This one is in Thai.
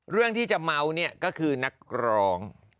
เรื่องที่จะเมาส์เนี่ยก็คือนักร้อง